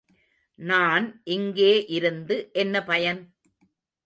நான் இங்கே இருந்து என்ன பயன்?